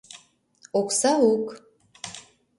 Окса ук...